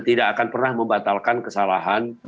tidak akan pernah membatalkan kesalahan